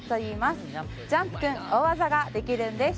ジャンプくん大技ができるんです。